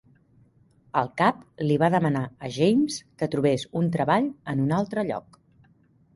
El cap li va demanar a James que trobés un treball en un altre lloc.